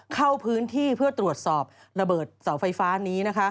เข้าพื้นที่เพื่อตรวจสอบระเบิดเสาไฟฟ้านี้